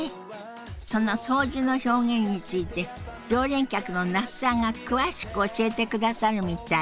その掃除の表現について常連客の那須さんが詳しく教えてくださるみたい。